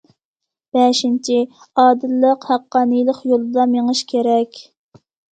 بەشىنچى، ئادىللىق، ھەققانىيلىق يولىدا مېڭىش كېرەك.